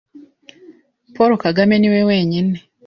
Paul Kagame ni we wenyine